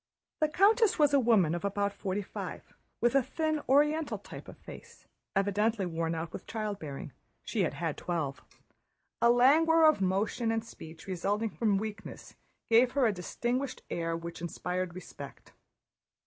The countess was a woman of about forty five, with a thin Oriental type of face, evidently worn out with childbearing—she had had twelve. A languor of motion and speech, resulting from weakness, gave her a distinguished air which inspired respect.